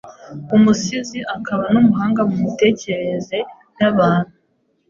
umusizi akaba n’umuhanga mu mitekerereze ya muntu,